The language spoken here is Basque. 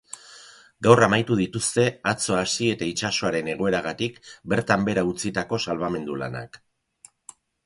Gaur amaitu dituzte atzo hasi eta itsasoaren egoeragatik bertan behera utzitako salbamendu lanak.